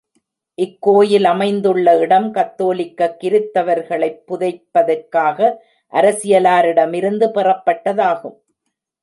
இக்கோயில் அமைந்துள்ள இடம் கத்தோலிக்கக் கிருத்தவர்களைப் புதைப்பதற்காக அரசியலாரிடமிருந்து பெறப்பட்டதாகும்.